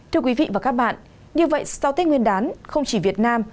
thưa quý vị và các bạn như vậy sau tết nguyên đán không chỉ việt nam